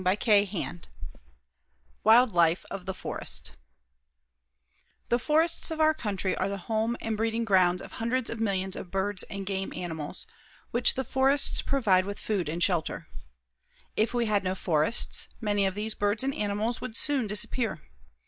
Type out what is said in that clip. CHAPTER IV WILD LIFE OF THE FOREST The forests of our country are the home and breeding grounds of hundreds of millions of birds and game animals, which the forests provide with food and shelter. If we had no forests, many of these birds and animals would soon disappear.